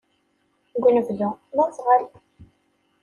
Deg unebdu, d aẓɣal.